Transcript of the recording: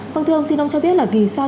vâng thưa ông xin ông cho biết là vì sao